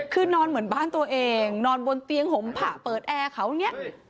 คือนอนเหมือนบ้านตัวเองนอนบนเตียงห่มผะเปิดแอร์เขาอย่างนี้